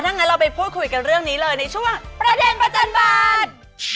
ถ้างั้นเราไปพูดคุยกันเรื่องนี้เลยในช่วงประเด็นประจันบาล